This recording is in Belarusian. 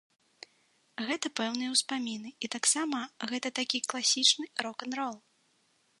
Гэта пэўныя ўспаміны і таксама гэта такі класічны рок-н-рол.